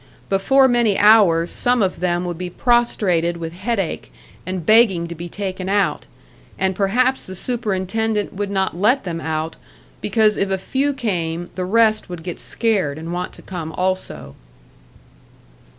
Before many hours some of them would be prostrated with headache, and begging to be taken out; and perhaps the superintendent would not let them out, because if a few came, the rest would get scared and want to come also.